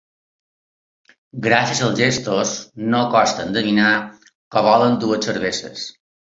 Gràcies als gestos, no costa endevinar que volen dues cerveses.